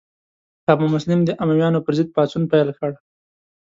ابو مسلم د امویانو پر ضد پاڅون پیل کړ.